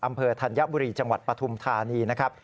ธัญบุรีจังหวัดปฐุมธานีนะครับ